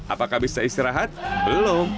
apakah bisa istirahat belum